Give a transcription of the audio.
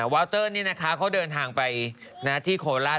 วาวเตอร์นี่นะคะเขาเดินทางไปที่โคราช